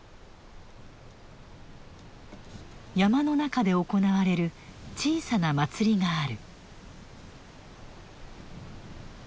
山の中で行われる小さな祭りがある。